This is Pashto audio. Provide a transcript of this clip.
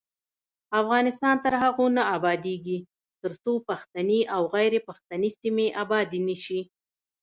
افغانستان تر هغو نه ابادیږي، ترڅو پښتني او غیر پښتني سیمې ابادې نشي.